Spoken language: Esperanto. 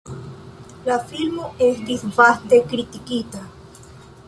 La filmo estis vaste kritikita.